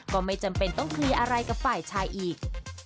ก็ไม่จำเป็นต้องเคลียร์อะไรกับฝ่ายชายอีก